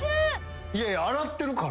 いやいや洗ってるから。